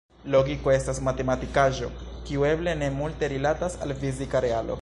Logiko estas matematikaĵo, kiu eble ne multe rilatas al fizika realo.